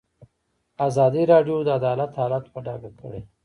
ازادي راډیو د عدالت حالت په ډاګه کړی.